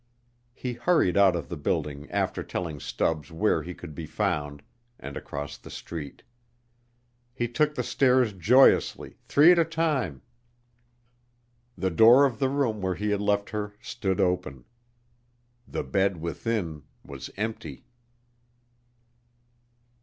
He hurried out of the building after telling Stubbs where he could be found, and across the street. He took the stairs joyously, three at a time. The door of the room where he had left her stood open. The bed within was empty.